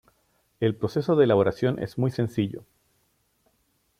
El proceso de elaboración es muy sencillo.